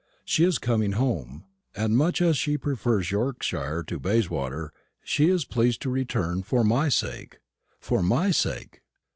She is coming home; and much as she prefers Yorkshire to Bayswater, she is pleased to return for my sake for my sake.